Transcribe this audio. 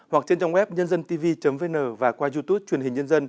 hoặc trên trang web nhân dân tv vn